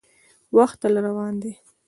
• وخت تل روان دی.